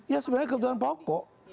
ya sebenarnya kebutuhan pokok